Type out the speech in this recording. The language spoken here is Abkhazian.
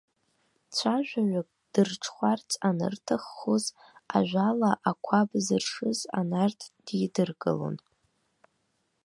Цәажәаҩык ддырҽхәарц анырҭаххоз, ажәала ақәаб зыршыз анарҭ дидыркылон.